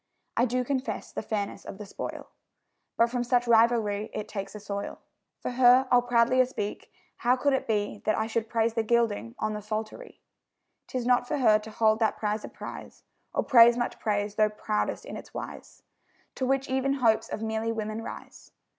I do confess the fairness of the spoil, But from such rivalry it takes a soil. For her I'll proudlier speak: how could it be That I should praise the gilding on the psaltery? 'Tis not for her to hold that prize a prize, Or praise much praise, though proudest in its wise, To which even hopes of merely women rise.